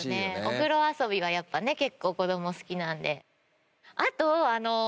お風呂遊びはやっぱね結構子供好きなんで。